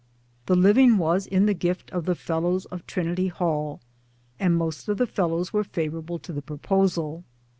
The living was in the gift of the Fellows of Trinity Hall, and most of the Fellows were favor able to the proposal.